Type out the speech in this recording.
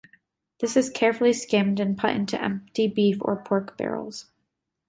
This is carefully skimmed and put into empty beef or pork barrels.